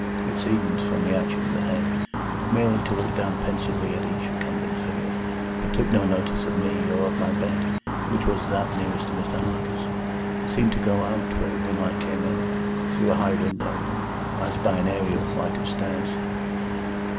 It seemed, from the action of the head, merely to look down pensively at each recumbent figure. It took no notice of me, or of my bed, which was that nearest to Mr. Harker's. It seemed to go out where the moonlight came in, through a high window, as by an aërial flight of stairs.